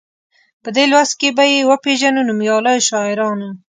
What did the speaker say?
په دې لوست کې به یې وپيژنو نومیالیو شاعرانو.